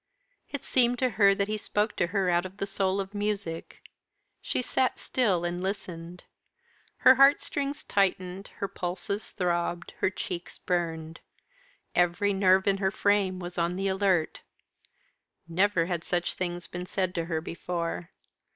It seemed to her that he spoke to her out of the soul of music. She sat still and listened. Her heart strings tightened, her pulses throbbed, her cheeks burned; every nerve in her frame was on the alert. Never had such things been said to her before.